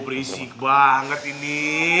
berisik banget ini